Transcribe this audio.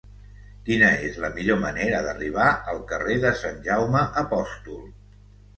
Quina és la millor manera d'arribar al carrer de Sant Jaume Apòstol?